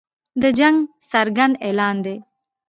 د جنګ څرګند اعلان دی.